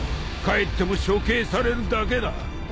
帰っても処刑されるだけだ。